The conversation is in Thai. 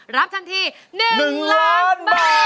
รับทันที๑ล้านบาท